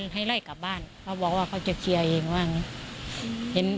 ให้ไล่กลับบ้านเขาบอกว่าเขาจะเคลียร์เองว่าอย่างนี้